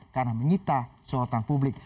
karena menyita sorotan publik